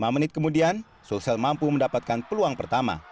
lima menit kemudian sulsel mampu mendapatkan peluang pertama